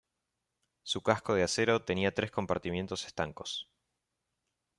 Su casco de acero tenía tres compartimientos estancos.